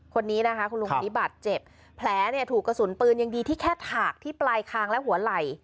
คนนี้นะคะคุณลุงคนนี้บาดเจ็บแผลเนี่ยถูกกระสุนปืนยังดีที่แค่ถากที่ปลายคางและหัวไหล่